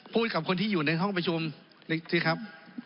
พูดกับคนที่อยู่ในห้องประชุมสิครับ